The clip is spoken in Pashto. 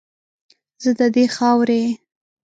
زه ددې خاورې